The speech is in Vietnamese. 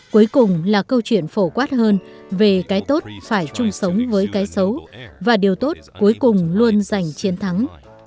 cuối cùng là câu chuyện phổ quát hơn về cái tốt phải chung sống với cái xấu và điều tốt cuối cùng luôn giành chiến thắng